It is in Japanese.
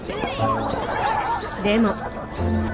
でも。